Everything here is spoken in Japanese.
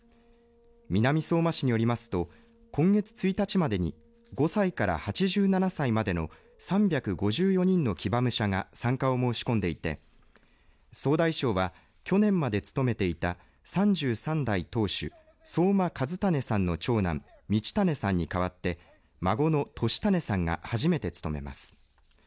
南相馬市によりますと今月１日までに５歳から８７歳までの３５４人の騎馬武者が参加を申し込んでいて総大将は、去年まで務めていた３３代当主相馬和胤さんの長男行胤さんに代わって孫の言胤さんが初めて務めます。